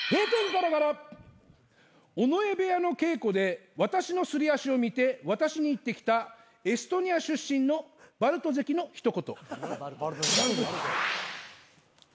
ガラガラ尾上部屋の稽古で私のすり足を見て私に言ってきたエストニア出身の把瑠都関の一言。